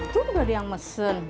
tuh udah ada yang pesan